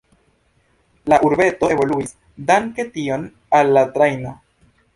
La urbeto evoluis, danke tion al la trajno.